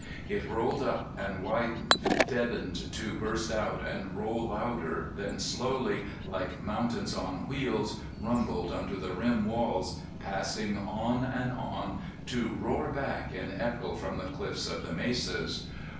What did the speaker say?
It rolled up and widened, deadened to burst out and roll louder, then slowly, like mountains on wheels, rumbled under the rim walls, passing on and on, to roar back in echo from the cliffs of the mesas.